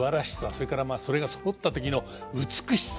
それからそれがそろった時の美しさ。